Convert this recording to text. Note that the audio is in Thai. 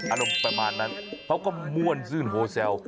อารมณ์ประมาณนั้นเขาก็ม่วนซื่นโฮแซล